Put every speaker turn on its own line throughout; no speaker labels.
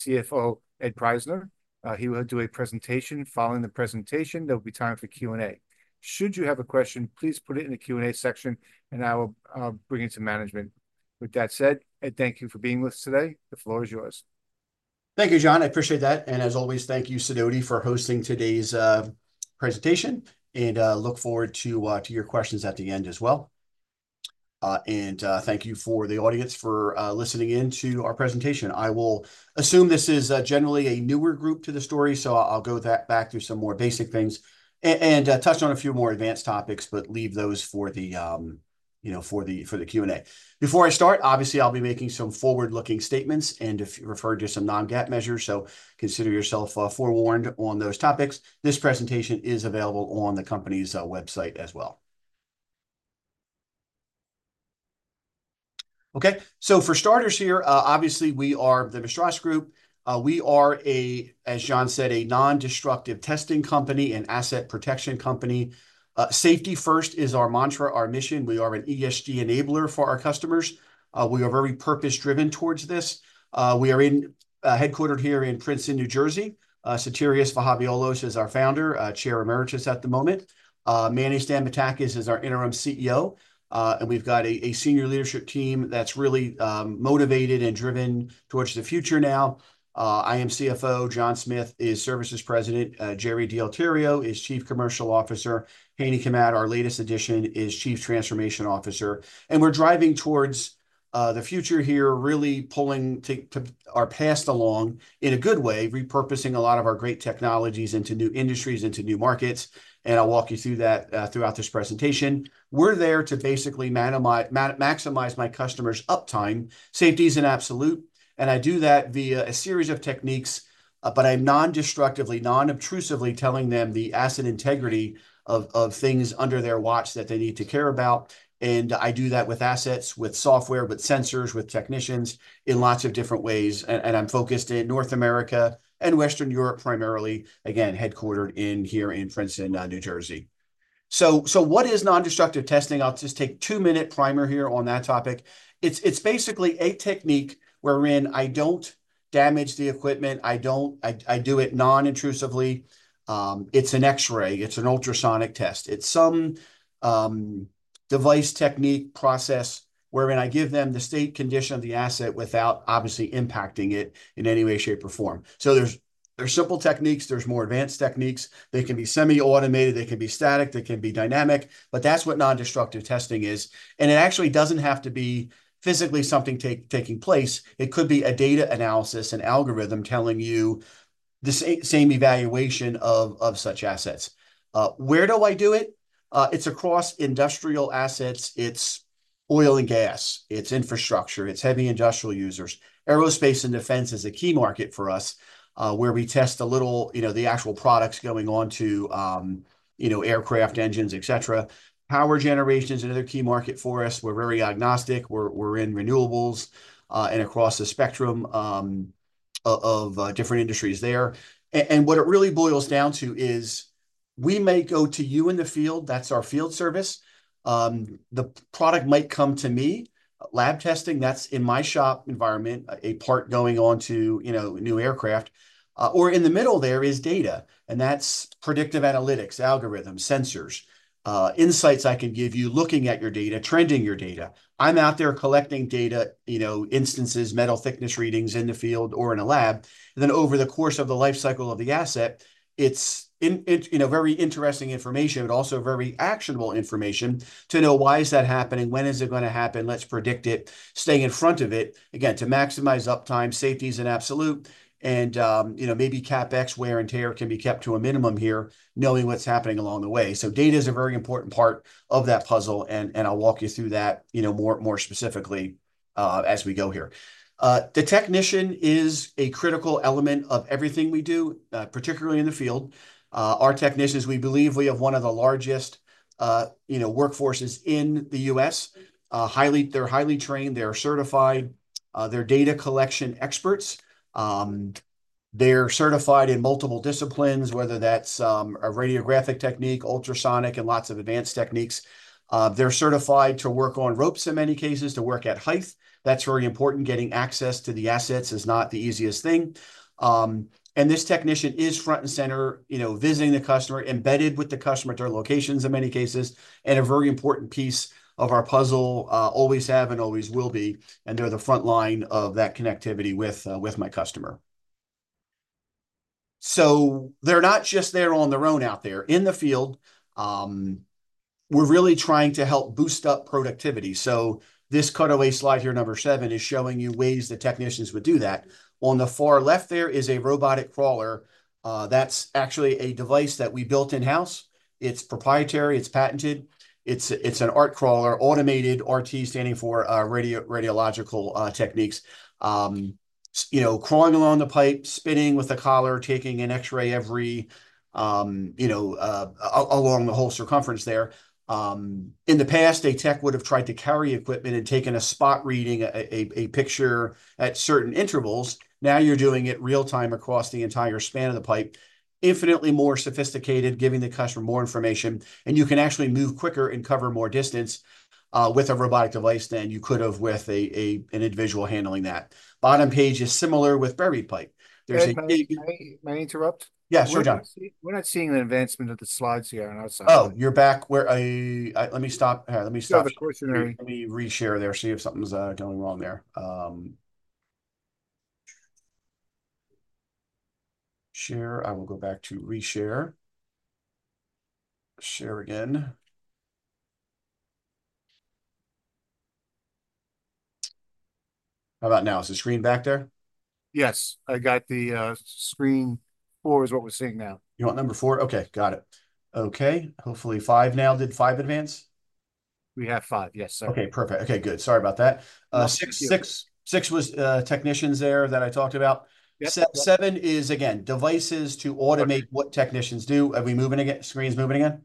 CFO, Ed Preisler. He will do a presentation. Following the presentation, there'll be time for Q&A. Should you have a question, please put it in the Q&A section, and I will bring it to management. With that said, Ed, thank you for being with us today. The floor is yours.
Thank you, John. I appreciate that and, as always, thank you, Sidoti, for hosting today's presentation, and look forward to your questions at the end as well. Thank you to the audience for listening in to our presentation. I will assume this is generally a newer group to the story, so I'll go back through some more basic things and touch on a few more advanced topics, but leave those for the, you know, for the Q&A. Before I start, obviously, I'll be making some forward-looking statements and refer to some non-GAAP measures, so consider yourself forewarned on those topics. This presentation is available on the company's website as well. Okay, so for starters here, obviously, we are the Mistras Group. We are a, as John said, a non-destructive testing company and asset protection company. Safety first is our mantra, our mission. We are an ESG enabler for our customers. We are very purpose-driven towards this. We are headquartered here in Princeton, New Jersey. Sotirios Vahaviolos is our founder, Chair Emeritus at the moment. Manny Stamatakis is our Interim CEO. And we've got a senior leadership team that's really motivated and driven towards the future now. I am CFO, John Smith is Services President, Jerry DiIorio is Chief Commercial Officer, Hani Kamhawi, our latest addition, is Chief Transformation Officer. And we're driving towards the future here, really pulling our past along in a good way, repurposing a lot of our great technologies into new industries, into new markets. I'll walk you through that throughout this presentation. We're there to basically maximize my customers' uptime. Safety is an absolute, and I do that via a series of techniques, but I'm non-destructively, non-obtrusively telling them the asset integrity of things under their watch that they need to care about. I do that with assets, with software, with sensors, with technicians in lots of different ways, and I'm focused in North America and Western Europe, primarily, again, headquartered here in Princeton, New Jersey. What is non-destructive testing? I'll just take a two-minute primer here on that topic. It's basically a technique wherein I don't damage the equipment. I do it non-intrusively. It's an X-ray, it's an ultrasonic test. It's some device, technique, process, wherein I give them the state condition of the asset without obviously impacting it in any way, shape, or form. So there's simple techniques, there's more advanced techniques. They can be semi-automated, they can be static, they can be dynamic, but that's what non-destructive testing is. And it actually doesn't have to be physically something taking place. It could be a data analysis, an algorithm telling you the same evaluation of such assets. Where do I do it? It's across industrial assets. It's oil and gas, it's infrastructure, it's heavy industrial users. Aerospace and defense is a key market for us, where we test the little, you know, the actual products going on to, you know, aircraft engines, et cetera. Power generation is another key market for us. We're very agnostic. We're in renewables and across the spectrum of different industries there, and what it really boils down to is we may go to you in the field. That's our field service. The product might come to me, lab testing. That's in my shop environment, a part going on to, you know, a new aircraft. Or in the middle there is data, and that's predictive analytics, algorithms, sensors, insights I can give you looking at your data, trending your data. I'm out there collecting data, you know, instances, metal thickness readings in the field or in a lab. Then over the course of the life cycle of the asset, it's, you know, very interesting information, but also very actionable information to know why is that happening? When is it gonna happen? Let's predict it. Staying in front of it, again, to maximize uptime, safety is an absolute, and, you know, maybe CapEx, wear and tear can be kept to a minimum here, knowing what's happening along the way. Data is a very important part of that puzzle, and I'll walk you through that, you know, more specifically, as we go here. The technician is a critical element of everything we do, particularly in the field. Our technicians, we believe we have one of the largest, you know, workforces in the U.S. They're highly trained, they're certified, they're data collection experts. They're certified in multiple disciplines, whether that's a radiographic technique, ultrasonic, and lots of advanced techniques. They're certified to work on ropes, in many cases, to work at height. That's very important. Getting access to the assets is not the easiest thing. And this technician is front and center, you know, visiting the customer, embedded with the customer at their locations, in many cases, and a very important piece of our puzzle, always have and always will be, and they're the front line of that connectivity with my customer. So they're not just there on their own out there in the field, we're really trying to help boost up productivity. So this cutaway slide here, number seven, is showing you ways the technicians would do that. On the far left, there is a robotic crawler. That's actually a device that we built in-house. It's proprietary, it's patented. It's an ART Crawler, automated RT, standing for radiographic techniques. You know, crawling along the pipe, spinning with the collar, taking an X-ray every along the whole circumference there. In the past, a tech would have tried to carry equipment and taken a spot reading, a picture at certain intervals. Now, you're doing it real-time across the entire span of the pipe. Infinitely more sophisticated, giving the customer more information, and you can actually move quicker and cover more distance with a robotic device than you could have with an individual handling that. Bottom page is similar with buried pipe. There's a-
Ed, may I interrupt?
Yeah, sure, John.
We're not seeing the advancement of the slides here on our side.
Oh, you're back. Let me stop.
Yeah, of course.
Let me re-share there, see if something's going wrong there. Share. I will go back to reshare. Share again. How about now? Is the screen back there?
Yes, I got the screen four is what we're seeing now.
You want number four? Okay, got it. Okay, hopefully five now. Did five advance?
We have five, yes, sir.
Okay, perfect. Okay, good. Sorry about that.
No, thank you.
Six, six was technicians there that I talked about.
Yep.
Seven is, again, devices to automate.
Okay
What technicians do. Are we moving again? Screen's moving again?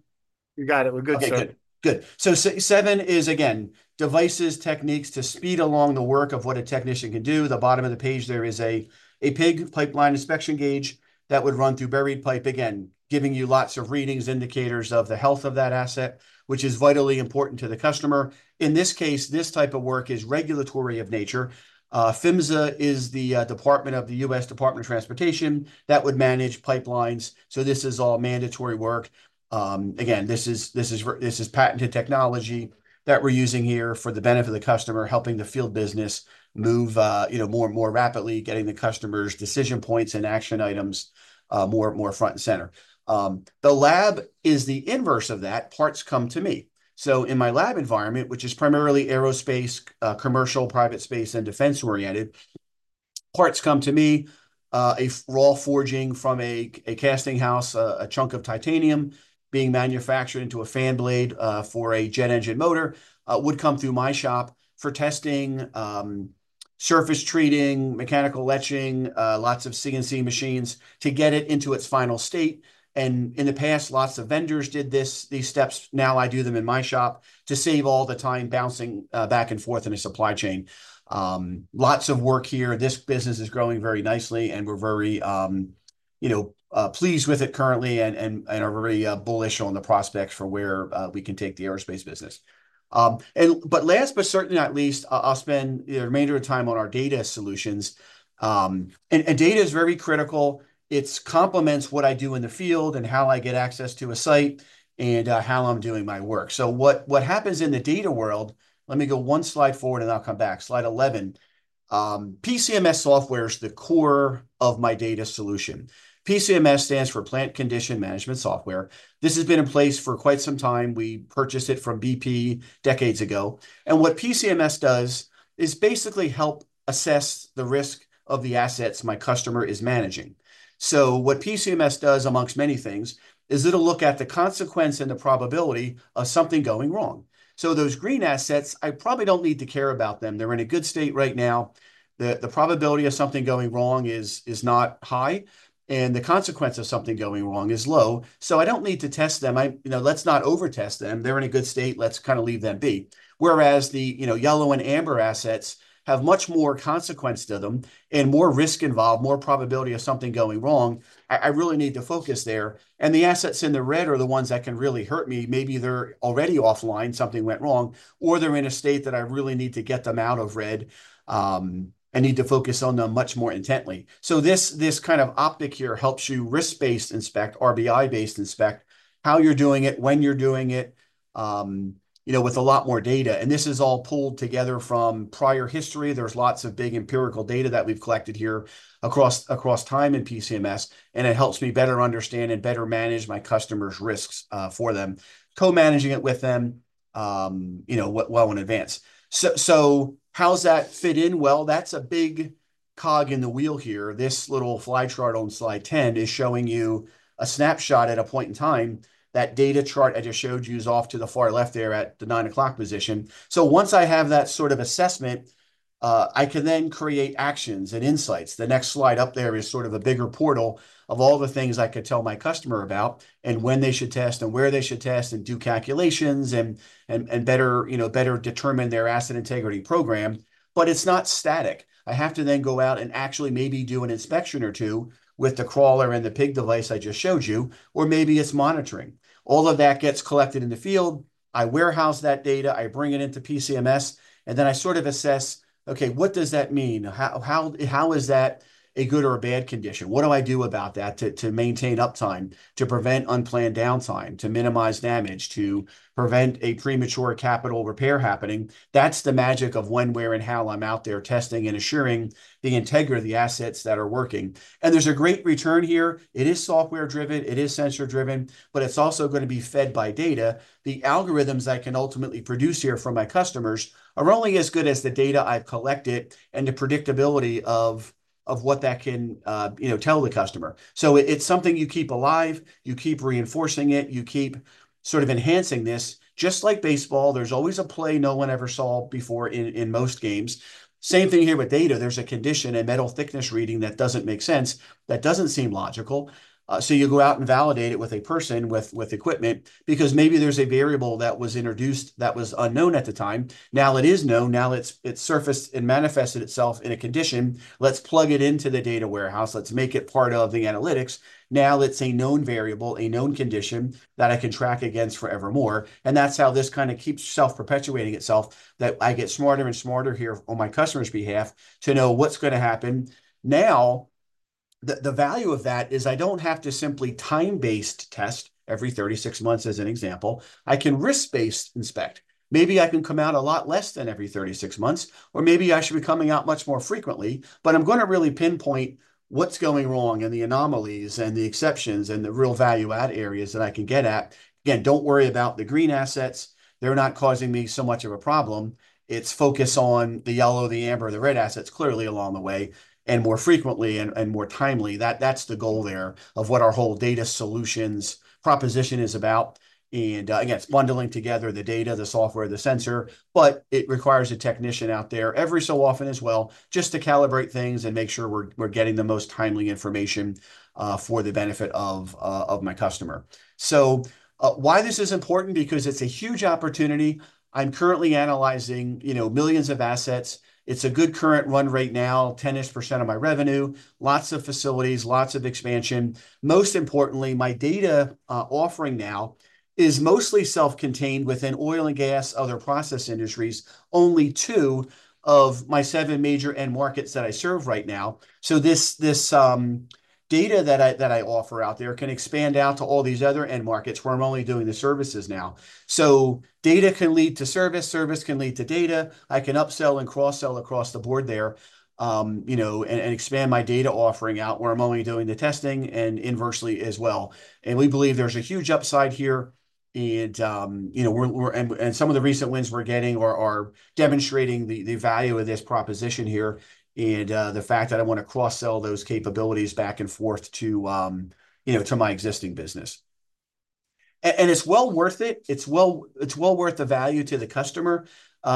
You got it. We're good, sir.
Okay, good. Good. So seven is, again, devices, techniques to speed along the work of what a technician can do. The bottom of the page, there is a PIG, pipeline inspection gauge, that would run through buried pipe, again, giving you lots of readings, indicators of the health of that asset, which is vitally important to the customer. In this case, this type of work is regulatory of nature. PHMSA is the department of the U.S. Department of Transportation that would manage pipelines, so this is all mandatory work. Again, this is patented technology that we're using here for the benefit of the customer, helping the field business move, you know, more and more rapidly, getting the customers' decision points and action items, more, more front and center. The lab is the inverse of that. Parts come to me, so in my lab environment, which is primarily aerospace, commercial, private space, and defense-oriented, parts come to me. A raw forging from a casting house, a chunk of titanium being manufactured into a fan blade, for a jet engine motor, would come through my shop for testing, surface treating, mechanical etching, lots of CNC machines to get it into its final state, and in the past, lots of vendors did this, these steps. Now, I do them in my shop to save all the time bouncing back and forth in a supply chain. Lots of work here. This business is growing very nicely, and we're very, you know, pleased with it currently and are very bullish on the prospects for where we can take the aerospace business. Last but certainly not least, I'll spend the remainder of time on our data solutions. Data is very critical. It complements what I do in the field, and how I get access to a site, and how I'm doing my work. So what happens in the data world. Let me go one slide forward, and I'll come back. Slide 11, PCMS software is the core of my data solution. PCMS stands for Plant Condition Management Software. This has been in place for quite some time. We purchased it from BP decades ago, and what PCMS does is basically help assess the risk of the assets my customer is managing. So what PCMS does, among many things, is it'll look at the consequence and the probability of something going wrong. So those green assets, I probably don't need to care about them. They're in a good state right now. The probability of something going wrong is not high, and the consequence of something going wrong is low, so I don't need to test them. You know, let's not over test them. They're in a good state, let's kind of leave them be. Whereas the you know, yellow and amber assets have much more consequence to them and more risk involved, more probability of something going wrong, I really need to focus there. And the assets in the red are the ones that can really hurt me. Maybe they're already offline, something went wrong, or they're in a state that I really need to get them out of red. I need to focus on them much more intently. So this kind of optic here helps you risk-based inspect, RBI-based inspect, how you're doing it, when you're doing it, you know, with a lot more data, and this is all pulled together from prior history. There's lots of big empirical data that we've collected here across time in PCMS, and it helps me better understand and better manage my customer's risks, for them, co-managing it with them, you know, well in advance. So how's that fit in? Well, that's a big cog in the wheel here. This little flow chart on slide 10 is showing you a snapshot at a point in time. That data chart I just showed you is off to the far left there at the nine o'clock position. So once I have that sort of assessment, I can then create actions and insights. The next slide up there is sort of a bigger portal of all the things I could tell my customer about, and when they should test, and where they should test, and do calculations, and, and, and better, you know, better determine their asset integrity program, but it's not static. I have to then go out and actually maybe do an inspection or two with the crawler and the PIG device I just showed you, or maybe it's monitoring. All of that gets collected in the field. I warehouse that data, I bring it into PCMS, and then I sort of assess, okay, what does that mean? How, how, how is that a good or a bad condition? What do I do about that to, to maintain uptime, to prevent unplanned downtime, to minimize damage, to prevent a premature capital repair happening? That's the magic of when, where, and how I'm out there testing and assuring the integrity of the assets that are working, and there's a great return here. It is software-driven, it is sensor-driven, but it's also gonna be fed by data. The algorithms I can ultimately produce here for my customers are only as good as the data I've collected and the predictability of what that can, you know, tell the customer. So it's something you keep alive, you keep reinforcing it, you keep sort of enhancing this. Just like baseball, there's always a play no one ever saw before in most games. Same thing here with data. There's a condition, a metal thickness reading that doesn't make sense, that doesn't seem logical. So you go out and validate it with a person, with equipment, because maybe there's a variable that was introduced that was unknown at the time. Now it is known. Now it's surfaced and manifested itself in a condition. Let's plug it into the data warehouse. Let's make it part of the analytics. Now, it's a known variable, a known condition that I can track against forevermore, and that's how this kind of keeps self-perpetuating itself, that I get smarter and smarter here on my customer's behalf to know what's gonna happen. The value of that is I don't have to simply time-based test every 36 months, as an example. I can risk-based inspect. Maybe I can come out a lot less than every thirty-six months, or maybe I should be coming out much more frequently, but I'm gonna really pinpoint what's going wrong, and the anomalies, and the exceptions, and the real value-add areas that I can get at. Again, don't worry about the green assets. They're not causing me so much of a problem. It's focus on the yellow, the amber, the red assets clearly along the way, and more frequently, and more timely. That's the goal there of what our whole data solutions proposition is about. Again, it's bundling together the data, the software, the sensor, but it requires a technician out there every so often as well, just to calibrate things and make sure we're getting the most timely information for the benefit of my customer. So, why this is important? Because it's a huge opportunity. I'm currently analyzing, you know, millions of assets. It's a good current run rate now, 10%-ish of my revenue, lots of facilities, lots of expansion. Most importantly, my data offering now is mostly self-contained within oil and gas, other process industries, only two of my seven major end markets that I serve right now. So this data that I offer out there can expand out to all these other end markets, where I'm only doing the services now. So data can lead to service, service can lead to data. I can upsell and cross-sell across the board there, you know, and expand my data offering out, where I'm only doing the testing, and inversely as well. And we believe there's a huge upside here, and you know, we're and some of the recent wins we're getting are demonstrating the value of this proposition here, and the fact that I want to cross-sell those capabilities back and forth to you know, to my existing business. And it's well worth it. It's well worth the value to the customer.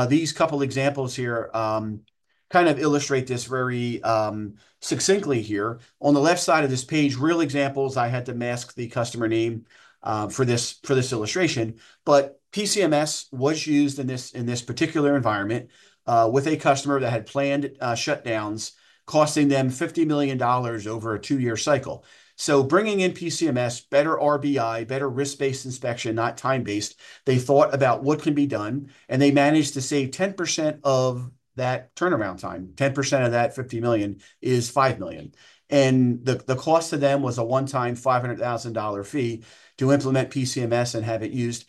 These couple examples here kind of illustrate this very succinctly here. On the left side of this page, real examples, I had to mask the customer name for this illustration, but PCMS was used in this particular environment with a customer that had planned shutdowns, costing them $50 million over a two-year cycle. So bringing in PCMS, better RBI, better risk-based inspection, not time-based, they thought about what can be done, and they managed to save 10% of that turnaround time. 10% of that $50 million is $5 million, and the cost to them was a one-time $500,000 fee to implement PCMS and have it used.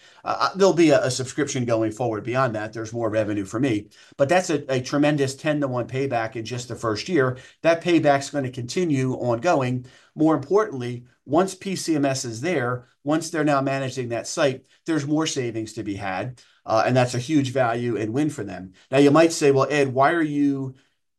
There'll be a subscription going forward. Beyond that, there's more revenue for me, but that's a tremendous 10-to-1 payback in just the first year. That payback's gonna continue ongoing. More importantly, once PCMS is there, once they're now managing that site, there's more savings to be had, and that's a huge value and win for them. Now, you might say, "Well, Ed, why are you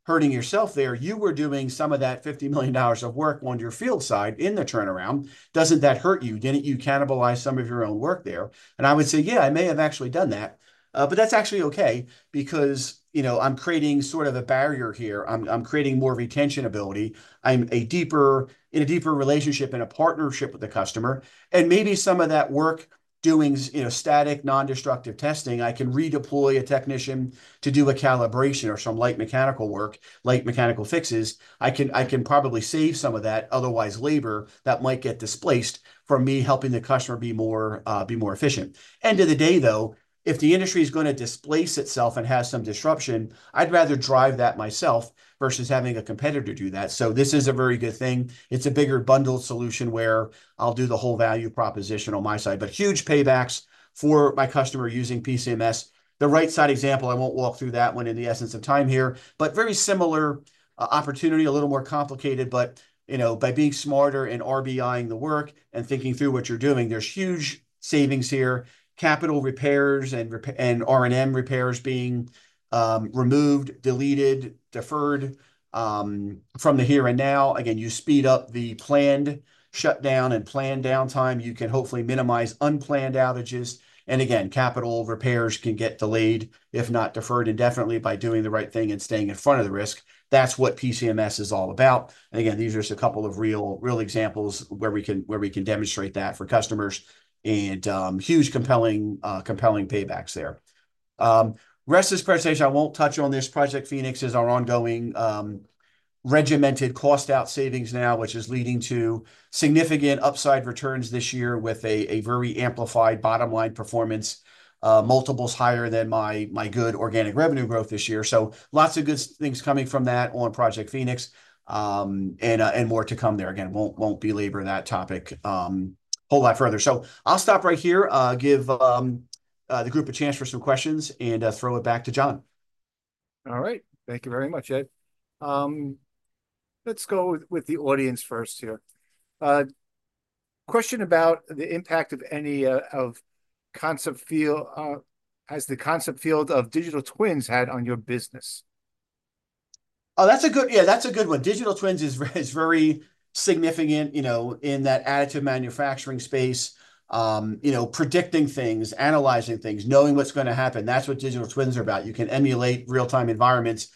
hurting yourself there? You were doing some of that $50 million of work on your field side in the turnaround. Doesn't that hurt you? Didn't you cannibalize some of your own work there?" And I would say, "Yeah, I may have actually done that, but that's actually okay because, you know, I'm creating sort of a barrier here. I'm creating more retention ability. I'm in a deeper relationship and a partnership with the customer, and maybe some of that work doing static, non-destructive testing, I can redeploy a technician to do a calibration or some light mechanical work, light mechanical fixes. I can probably save some of that otherwise labor that might get displaced from me helping the customer be more efficient." End of the day, though, if the industry is gonna displace itself and have some disruption, I'd rather drive that myself versus having a competitor do that, so this is a very good thing. It's a bigger bundled solution, where I'll do the whole value proposition on my side. But huge paybacks for my customer using PCMS. The right side example, I won't walk through that one in the interest of time here, but very similar opportunity, a little more complicated, but you know, by being smarter and RBI-ing the work and thinking through what you're doing, there's huge savings here, capital repairs, and rep- and R&M repairs being removed, deleted, deferred. From the here and now, again, you speed up the planned shutdown and planned downtime. You can hopefully minimize unplanned outages, and again, capital repairs can get delayed, if not deferred indefinitely by doing the right thing and staying in front of the risk. That's what PCMS is all about, and again, these are just a couple of real, real examples where we can- where we can demonstrate that for customers, and, huge compelling, compelling paybacks there. Rest is presentation. I won't touch on this. Project Phoenix is our ongoing, regimented cost-out savings now, which is leading to significant upside returns this year with a very amplified bottom-line performance, multiples higher than my good organic revenue growth this year. So lots of good things coming from that on Project Phoenix, and, and more to come there. Again, won't belabor that topic, a whole lot further. So I'll stop right here, give the group a chance for some questions, and throw it back to John.
All right. Thank you very much, Ed. Let's go with the audience first here. Question about the impact of the concept of digital twins. Has the concept of digital twins had on your business?
Oh, that's a good... Yeah, that's a good one. Digital twins is very significant, you know, in that additive manufacturing space, you know, predicting things, analyzing things, knowing what's gonna happen. That's what digital twins are about. You can emulate real-time environments,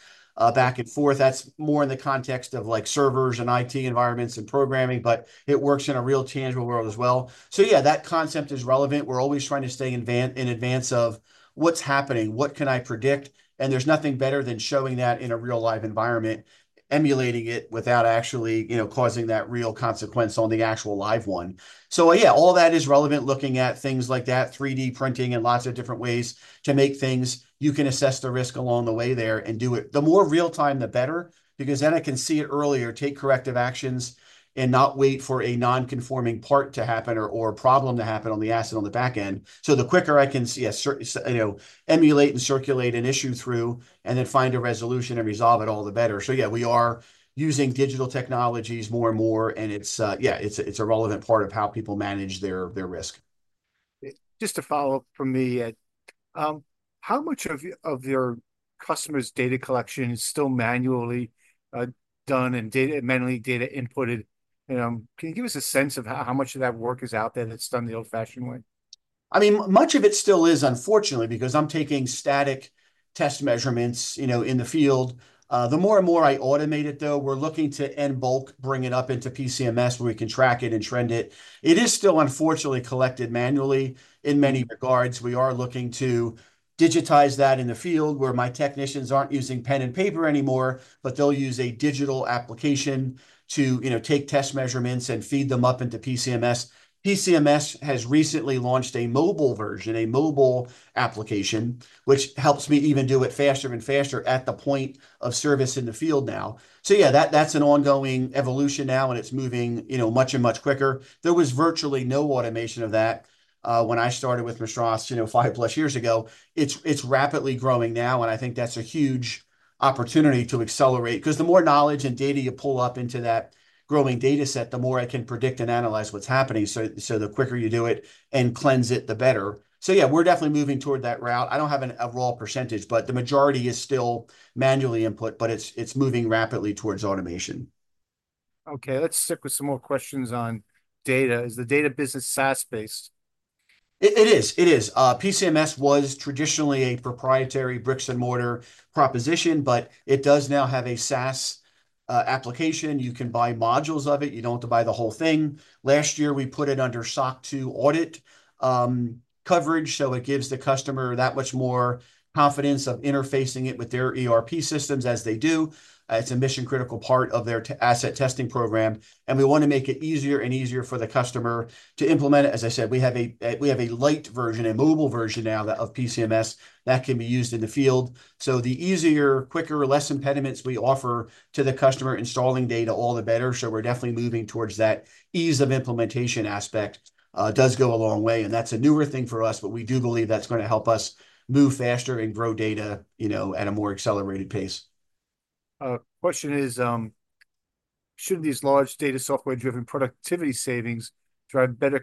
back and forth. That's more in the context of, like, servers and IT environments and programming, but it works in a real, tangible world as well. So yeah, that concept is relevant. We're always trying to stay in advance of what's happening, what can I predict, and there's nothing better than showing that in a real, live environment, emulating it without actually, you know, causing that real consequence on the actual live one. So yeah, all that is relevant, looking at things like that, 3D printing, and lots of different ways to make things. You can assess the risk along the way there and do it. The more real-time, the better because then I can see it earlier, take corrective actions, and not wait for a non-conforming part to happen or a problem to happen on the asset on the back end. So the quicker I can see, you know, emulate and circulate an issue through and then find a resolution and resolve it, all the better. So yeah, we are using digital technologies more and more, and yeah, it's a relevant part of how people manage their risk....
Just a follow-up from me, Ed. How much of your customers' data collection is still manually done and data manually inputted? You know, can you give us a sense of how much of that work is out there that's done the old-fashioned way?
I mean, much of it still is, unfortunately, because I'm taking static test measurements, you know, in the field. The more and more I automate it, though, we're looking to, in bulk, bring it up into PCMS, where we can track it and trend it. It is still, unfortunately, collected manually in many regards. We are looking to digitize that in the field, where my technicians aren't using pen and paper anymore, but they'll use a digital application to, you know, take test measurements and feed them up into PCMS. PCMS has recently launched a mobile version, a mobile application, which helps me even do it faster and faster at the point of service in the field now. So yeah, that, that's an ongoing evolution now, and it's moving, you know, much and much quicker. There was virtually no automation of that when I started with Mistras, you know, five-plus years ago. It's rapidly growing now, and I think that's a huge opportunity to accelerate. 'Cause the more knowledge and data you pull up into that growing data set, the more I can predict and analyze what's happening, so the quicker you do it and cleanse it, the better. So yeah, we're definitely moving toward that route. I don't have an overall percentage, but the majority is still manually input, but it's moving rapidly towards automation.
Okay, let's stick with some more questions on data. Is the data business SaaS-based?
It is. PCMS was traditionally a proprietary bricks-and-mortar proposition, but it does now have a SaaS application. You can buy modules of it. You don't have to buy the whole thing. Last year, we put it under SOC 2 audit coverage, so it gives the customer that much more confidence of interfacing it with their ERP systems as they do. It's a mission-critical part of their asset testing program, and we wanna make it easier and easier for the customer to implement it. As I said, we have a light version, a mobile version now, of PCMS that can be used in the field. So the easier, quicker, less impediments we offer to the customer installing data, all the better, so we're definitely moving towards that. Ease of implementation aspect does go a long way, and that's a newer thing for us, but we do believe that's gonna help us move faster and grow data, you know, at a more accelerated pace.
A question is: Should these large data software-driven productivity savings drive better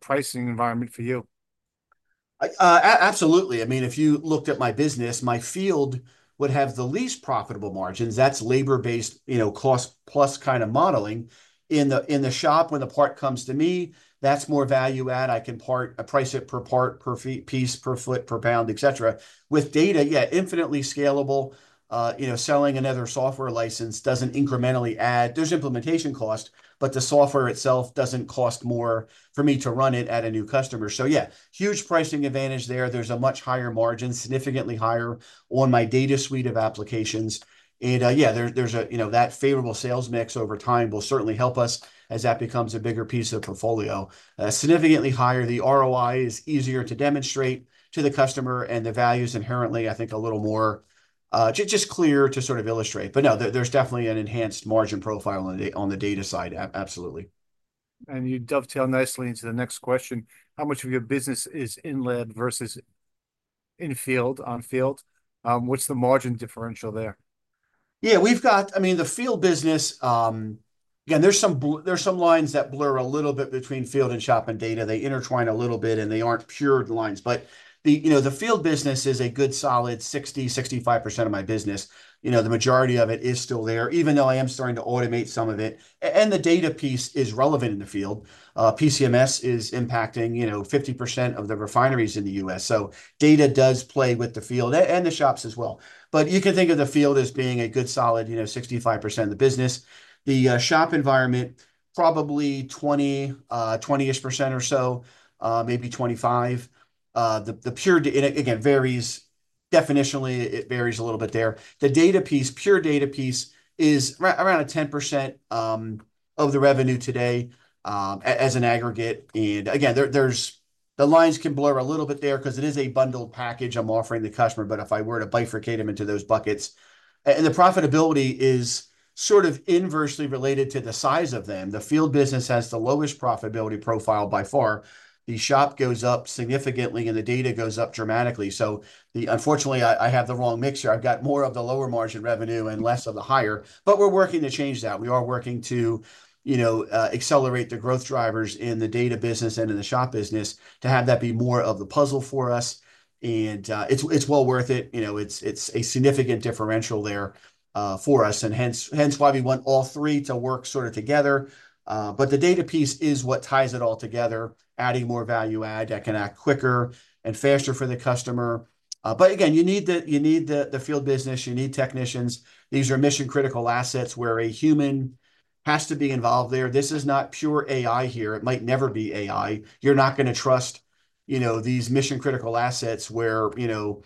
pricing environment for you?
Absolutely. I mean, if you looked at my business, my field would have the least profitable margins. That's labor-based, you know, cost-plus kind of modeling. In the shop, when the part comes to me, that's more value add. I can price it per part, per piece, per foot, per pound, et cetera. With data, yeah, infinitely scalable. You know, selling another software license doesn't incrementally add. There's implementation cost, but the software itself doesn't cost more for me to run it at a new customer. So yeah, huge pricing advantage there. There's a much higher margin, significantly higher on my data suite of applications, and, yeah, there's a, you know, that favorable sales mix over time will certainly help us as that becomes a bigger piece of the portfolio. significantly higher, the ROI is easier to demonstrate to the customer, and the value's inherently, I think, a little more, just clear to sort of illustrate. But no, there, there's definitely an enhanced margin profile on the data side, absolutely.
And you dovetail nicely into the next question: How much of your business is in lab versus in field, on field? What's the margin differential there?
Yeah, we've got... I mean, the field business, again, there's some lines that blur a little bit between field and shop and data. They intertwine a little bit, and they aren't pure lines. But the, you know, the field business is a good, solid 60-65% of my business. You know, the majority of it is still there, even though I am starting to automate some of it. And the data piece is relevant in the field. PCMS is impacting, you know, 50% of the refineries in the U.S., so data does play with the field, and the shops as well. But you can think of the field as being a good, solid, you know, 65% of the business. The shop environment, probably 20-ish% or so, maybe 25%. And it, again, varies. Definitionally, it varies a little bit there. The data piece, pure data piece, is around a 10% of the revenue today, as an aggregate, and again, there, the lines can blur a little bit there 'cause it is a bundled package I'm offering the customer, but if I were to bifurcate them into those buckets, and the profitability is sort of inversely related to the size of them. The field business has the lowest profitability profile by far. The shop goes up significantly, and the data goes up dramatically, so unfortunately, I have the wrong mixture. I've got more of the lower margin revenue and less of the higher, but we're working to change that. We are working to, you know, accelerate the growth drivers in the data business and in the shop business to have that be more of the puzzle for us, and, it's well worth it. You know, it's a significant differential there for us, and hence why we want all three to work sort of together. But the data piece is what ties it all together, adding more value add that can act quicker and faster for the customer. But again, you need the field business. You need technicians. These are mission-critical assets, where a human has to be involved there. This is not pure AI here. It might never be AI. You're not gonna trust, you know, these mission-critical assets where, you know,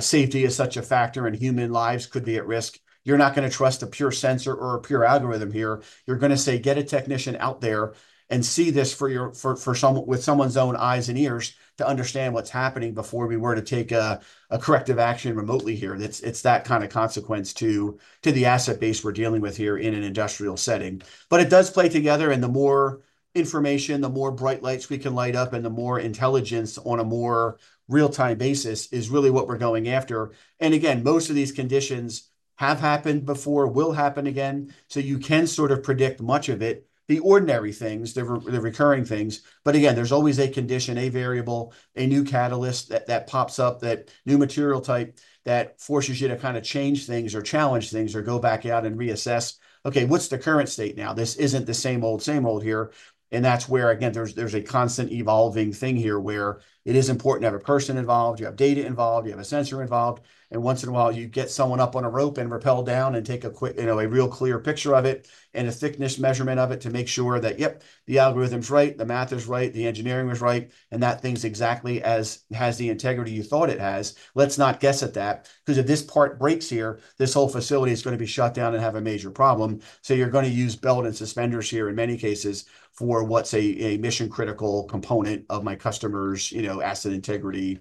safety is such a factor and human lives could be at risk. You're not gonna trust a pure sensor or a pure algorithm here. You're gonna say, "Get a technician out there, and see this for yourself with someone's own eyes and ears to understand what's happening before we were to take a corrective action remotely here." It's that kind of consequence to the asset base we're dealing with here in an industrial setting. But it does play together, and the more information, the more bright lights we can light up, and the more intelligence on a more real-time basis is really what we're going after. And again, most of these conditions have happened before, will happen again, so you can sort of predict much of it, the ordinary things, the recurring things. But again, there's always a condition, a variable, a new catalyst that that pops up, that new material type that forces you to kind of change things or challenge things, or go back out and reassess, "Okay, what's the current state now? This isn't the same old, same old here." And that's where, again, there's a constant evolving thing here, where it is important to have a person involved, you have data involved, you have a sensor involved, and once in a while you get someone up on a rope and rappel down and take a quick, you know, a real clear picture of it and a thickness measurement of it to make sure that, yep, the algorithm's right, the math is right, the engineering is right, and that thing's exactly as it has the integrity you thought it has. Let's not guess at that, 'cause if this part breaks here, this whole facility is gonna be shut down and have a major problem. So you're gonna use belt and suspenders here in many cases for what's a mission-critical component of my customer's, you know, asset integrity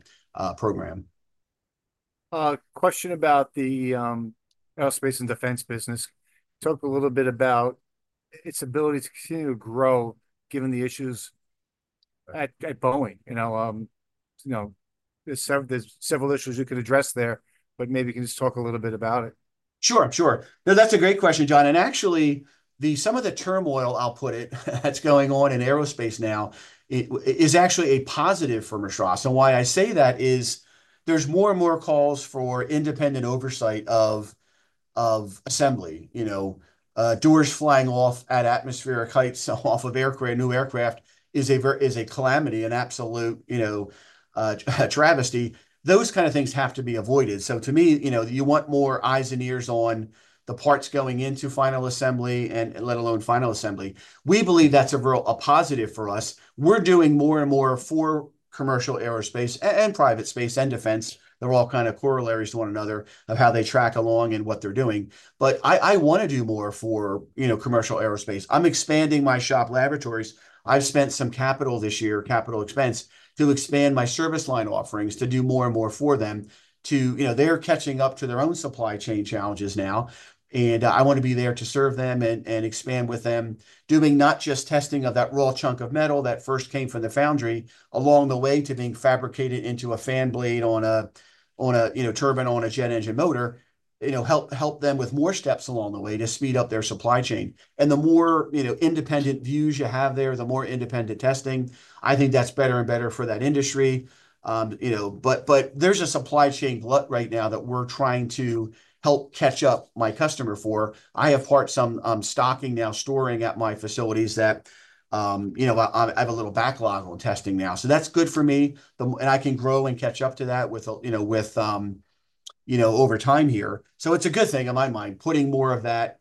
program.
Question about the aerospace and defense business. Talk a little bit about its ability to continue to grow given the issues at Boeing. You know, there's several issues you could address there, but maybe you can just talk a little bit about it.
Sure, sure. No, that's a great question, John, and actually, the-- some of the turmoil, I'll put it, that's going on in aerospace now is actually a positive for Mistras. And why I say that is there's more and more calls for independent oversight of assembly. You know, doors flying off at atmospheric heights off of aircraft, new aircraft, is a calamity, an absolute, you know, travesty. Those kind of things have to be avoided. So to me, you know, you want more eyes and ears on the parts going into final assembly and let alone final assembly. We believe that's a real, a positive for us. We're doing more and more for commercial aerospace and private space and defense. They're all kind of corollaries to one another of how they track along and what they're doing. But I wanna do more for, you know, commercial aerospace. I'm expanding my shop laboratories. I've spent some capital this year, capital expense, to expand my service line offerings to do more and more for them, to... You know, they're catching up to their own supply chain challenges now, and I wanna be there to serve them and expand with them, doing not just testing of that raw chunk of metal that first came from the foundry, along the way to being fabricated into a fan blade on a, you know, turbine on a jet engine motor. You know, help them with more steps along the way to speed up their supply chain. And the more, you know, independent views you have there, the more independent testing, I think that's better and better for that industry. You know, but there's a supply chain glut right now that we're trying to help catch up my customer for. I have parts I'm stocking now, storing at my facilities that, you know, I have a little backlog on testing now. So that's good for me, and I can grow and catch up to that with, you know, with, over time here. So it's a good thing in my mind. Putting more of that,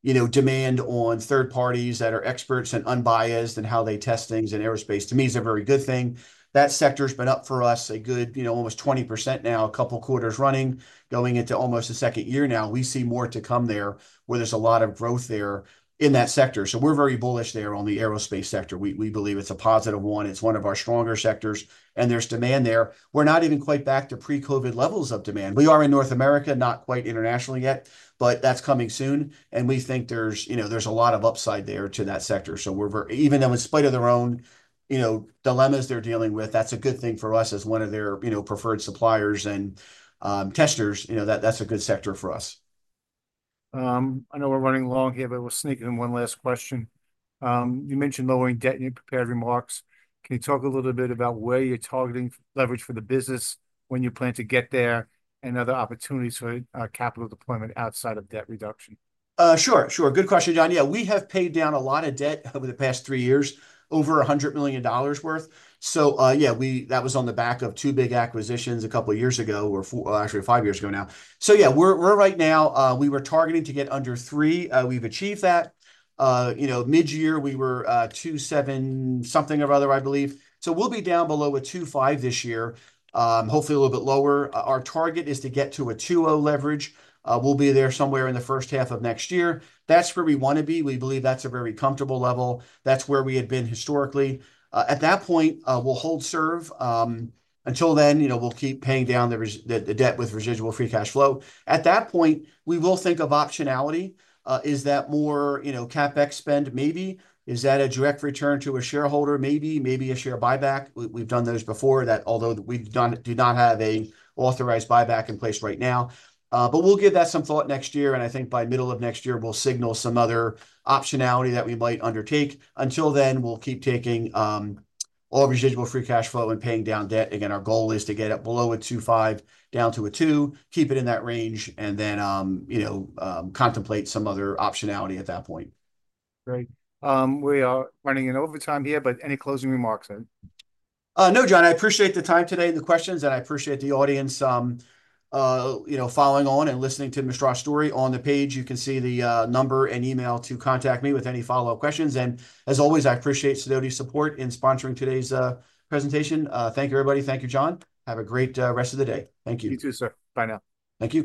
you know, demand on third parties that are experts and unbiased in how they test things in aerospace, to me, is a very good thing. That sector's been up for us a good, you know, almost 20% now, a couple quarters running, going into almost the second year now. We see more to come there, where there's a lot of growth there in that sector. So we're very bullish there on the aerospace sector. We believe it's a positive one. It's one of our stronger sectors, and there's demand there. We're not even quite back to pre-COVID levels of demand. We are in North America, not quite internationally yet, but that's coming soon, and we think there's, you know, there's a lot of upside there to that sector. So we're even in spite of their own, you know, dilemmas they're dealing with, that's a good thing for us as one of their, you know, preferred suppliers and testers. You know, that's a good sector for us.
I know we're running long here, but we'll sneak in one last question. You mentioned lowering debt in your prepared remarks. Can you talk a little bit about where you're targeting leverage for the business, when you plan to get there, and other opportunities for capital deployment outside of debt reduction?
Sure, sure. Good question, John. Yeah, we have paid down a lot of debt over the past three years, over $100 million worth. So, yeah, that was on the back of two big acquisitions a couple of years ago, or four, well, actually five years ago now. So yeah, we were targeting to get under three. We've achieved that. You know, mid-year, we were 2.7 something or other, I believe. So we'll be down below a 2.5 this year, hopefully a little bit lower. Our target is to get to a 2.0 leverage. We'll be there somewhere in the first half of next year. That's where we wanna be. We believe that's a very comfortable level. That's where we had been historically. At that point, we'll hold serve. Until then, you know, we'll keep paying down the debt with residual free cash flow. At that point, we will think of optionality. Is that more, you know, CapEx spend? Maybe. Is that a direct return to a shareholder? Maybe. Maybe a share buyback. We've done those before, although we do not have an authorized buyback in place right now. But we'll give that some thought next year, and I think by middle of next year, we'll signal some other optionality that we might undertake. Until then, we'll keep taking all residual free cash flow and paying down debt. Again, our goal is to get it below a 2.5, down to a 2, keep it in that range, and then, you know, contemplate some other optionality at that point.
Great. We are running in overtime here, but any closing remarks then?
No, John, I appreciate the time today and the questions, and I appreciate the audience, you know, following on and listening to Mistras story. On the page, you can see the number and email to contact me with any follow-up questions. And as always, I appreciate Sidoti support in sponsoring today's presentation. Thank you, everybody. Thank you, John. Have a great rest of the day. Thank you.
You too, sir. Bye now.
Thank you.